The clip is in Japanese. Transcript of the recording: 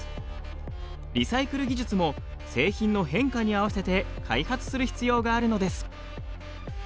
リサイクル技術も製品の変化に合わせて開発する必要があるのです。